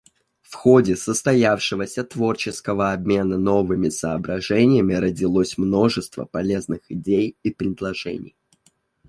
В ходе состоявшегося творческого обмена новыми соображениями родилось множество полезных идей и предложений.